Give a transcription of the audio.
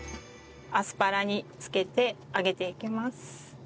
アスパラに付けて揚げていきます。